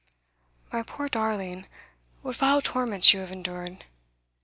My poor darling, what vile torments you have endured!